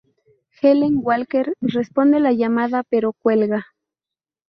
Helen Walker responde la llamada, pero cuelga.